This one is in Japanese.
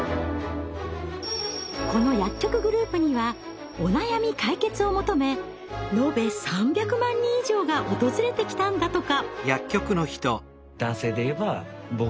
この薬局グループにはお悩み解決を求めのべ３００万人以上が訪れてきたんだとか。